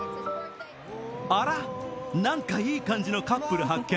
あら、なんかいい感じのカップル発見。